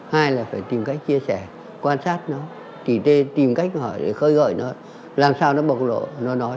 hai là phải tìm cách chia sẻ quan sát nó tìm cách hỏi khơi gọi nó làm sao nó bộc lộ nó nói